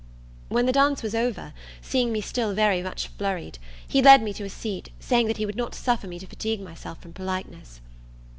When the dance was over, seeing me still very much flurried, he led me to a seat, saying that he would not suffer me to fatigue myself from politeness.